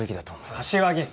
柏木！